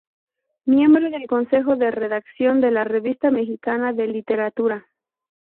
Miembro del consejo de redacción de la Revista Mexicana de Literatura.